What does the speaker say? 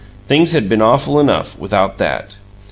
Things had been awful enough, without that!